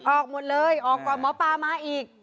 ออกหมดเลยออกก่อนหมอปลามาอีก